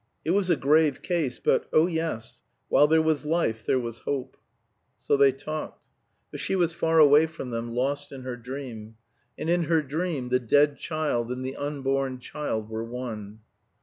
It was a grave case, but oh yes, while there was life there was hope. So they talked. But she was far away from them, lost in her dream. And in her dream the dead child and the unborn child were one.